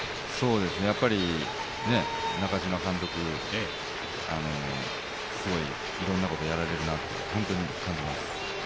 中嶋監督、すごいいろんなことをやられるなと本当に感じます。